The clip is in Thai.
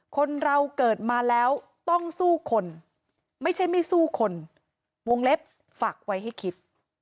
คนเราเกิดมาแล้วต้องสู้คนไม่ใช่ไม่สู้คนวงเล็บฝากไว้ให้คิด